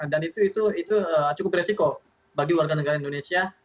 dan itu cukup beresiko bagi warga negara indonesia